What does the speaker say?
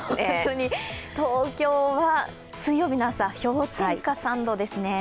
東京は水曜日の朝氷点下３度ですね。